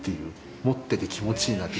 持ってて気持ちいいなって。